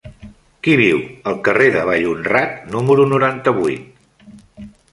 Qui viu al carrer de Vallhonrat número noranta-vuit?